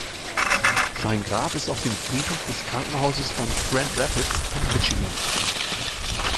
Sein Grab ist auf dem Friedhof des Krankenhauses von Grand Rapids in Michigan.